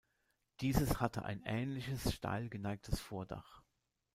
Dieses hatte ein ähnliches steil geneigtes Vordach.